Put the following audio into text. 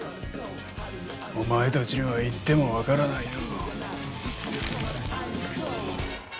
お前たちには言ってもわからないよ。